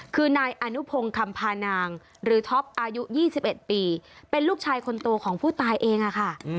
คือนายอนุพงศ์คำพานางหรือท็อปอายุ๒๑ปีเป็นลูกชายคนโตของผู้ตายเองค่ะ